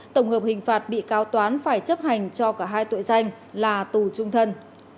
tổng hợp hình phạt bị cáo toán phải chấp hành cho cả hai tội danh là tù trung thân